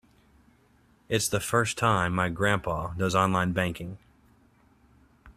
It's the first time my grandpa does online banking.